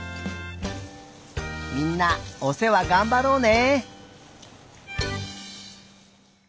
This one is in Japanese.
みんなおせわがんばろうね。